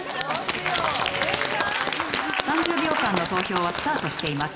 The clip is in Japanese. ３０秒間の投票はスタートしています。